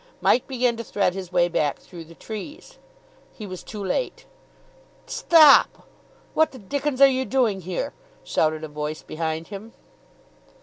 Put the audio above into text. Mike began to thread his way back through the trees. He was too late. "Stop! What the dickens are you doing here?" shouted a voice behind him.